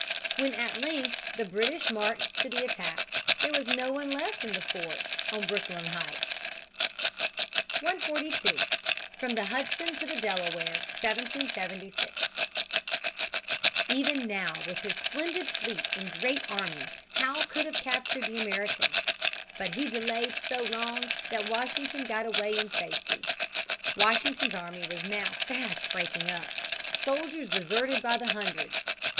When at length the British marched to the attack, there was no one left in the fort on Brooklyn Heights. [Sidenote: Retreat from New York.] [Sidenote: Washington crosses the Delaware.] 142. From the Hudson to the Delaware, 1776. Even now with his splendid fleet and great army Howe could have captured the Americans. But he delayed so long that Washington got away in safety. Washington's army was now fast breaking up. Soldiers deserted by the hundreds.